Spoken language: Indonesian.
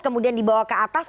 kemudian dibawa ke atas